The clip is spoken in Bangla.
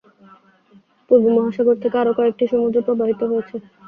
পূর্ব মহাসাগর থেকে আরো কয়েকটি সমুদ্র প্রবাহিত হয়েছে।